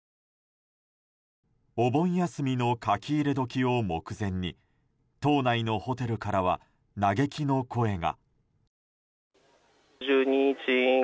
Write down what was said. お盆休みの書き入れ時を目前に島内のホテルからは嘆きの声が。